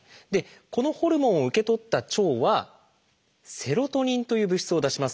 このホルモンを受け取った腸は「セロトニン」という物質を出します。